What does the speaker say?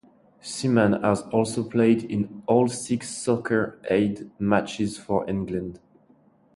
Seaman has also played in all six Soccer Aid matches for England.